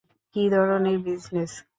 কী ধরনের বিজনেস?